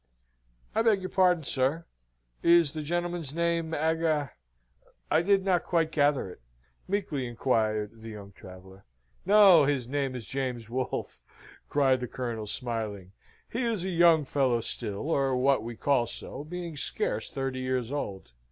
"I beg your pardon, sir. Is the gentleman's name Aga ? I did not quite gather it," meekly inquired the young traveller. "No, his name is James Wolfe," cried the Colonel, smiling. "He is a young fellow still, or what we call so, being scarce thirty years old.